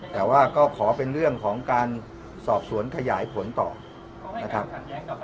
แต่ว่าก็ขอเป็นเรื่องของการสอบสวนขยายผลต่อนะครับขอให้การขัดแย้งกับพยานอาการที่ตำรวจมีครับ